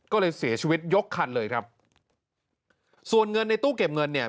ก็เลยเสียชีวิตยกคันเลยครับส่วนเงินในตู้เก็บเงินเนี่ย